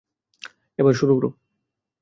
এবার শুরু করো।